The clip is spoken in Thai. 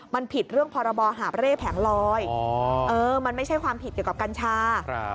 มันผิดเรื่องพรบหาบเร่แผงลอยมันไม่ใช่ความผิดเกี่ยวกับกัญชา